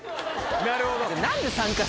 なるほど。